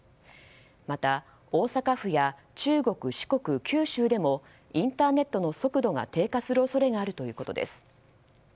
また、大阪府や中国・四国、九州でもインターネットの速度が低下する恐れがあるということです。